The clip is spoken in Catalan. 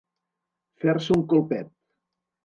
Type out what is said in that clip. Fer-se un colpet.